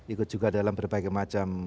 ikut juga dalam berbagai macam